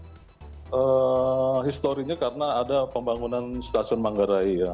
nah historinya karena ada pembangunan stasiun manggarai ya